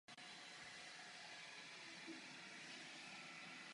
Oslavuje Pannu Marii a Kristovo vzkříšení.